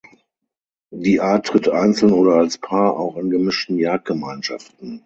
Die Art tritt einzeln oder als Paar auch in gemischten Jagdgemeinschaften.